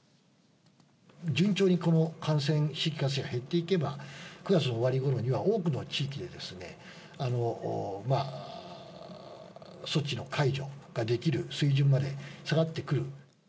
順調に感染、新規感染が減っていけば、９月の終わりごろには多くの地域で、措置の解除ができる水準まで下がってくる。